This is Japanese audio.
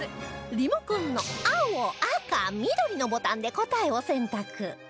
リモコンの青赤緑のボタンで答えを選択